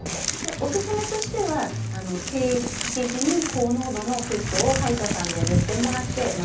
おすすめとしては定期的に高濃度のフッ素を歯医者さんで塗ってもらってまあ